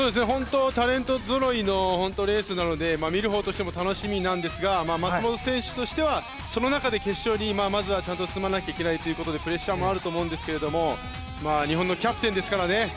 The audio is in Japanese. タレントぞろいのレースなので見るほうとしても楽しみなんですが松元選手としてはその中で決勝にまずは進まなきゃいけないということでプレッシャーもあると思うんですが日本のキャプテンですからね。